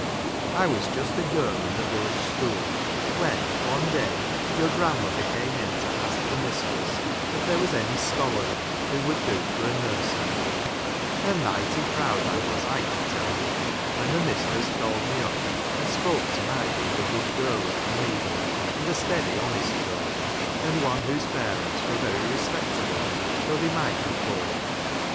I was just a girl in the village school, when, one day, your grand¬ mother came in to ask the mistress if there was any scholar there who would do for a nurse maid ; and mighty proud I was, I can tell ye, when the mistress called me up, and i spoke to my being a good girl at my needle, and ' a steady honest girl, and one whose parents I were very respectable, though they might be poor.